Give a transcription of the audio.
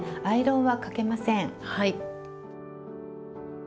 はい。